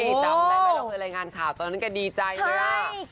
จำได้ไปลงในรายงานข่าวตอนนั้นก็ดีใจเนี่ย